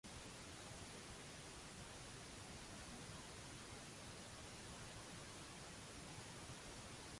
Naħseb ukoll li hija moderna u fiha strumenti differenti milli nisimgħu s-soltu.